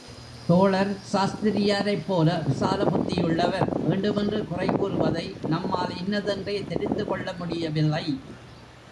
தோழர் சாஸ்திரியாரைப் போல விசால புத்தியுள்ளவர் வேண்டுமென்று குறை கூறுவதை, நம்மால் இன்னதென்றே தெரிந்து கொள்ள முடியவில்லை.